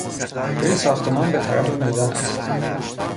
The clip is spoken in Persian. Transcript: روی ساختمان به طرف میدان است.